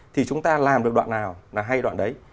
thì chúng ta làm được đoạn nào là hay đoạn đấy